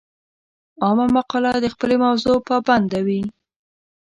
عامه مقاله د خپلې موضوع پابنده وي.